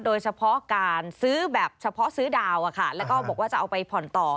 โดยเฉพาะซื้อดาวและบอกว่าจะเอาไปผ่อนต่อ